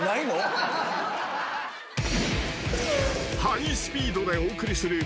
［ハイスピードでお送りする］